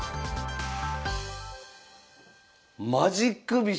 マジック飛車？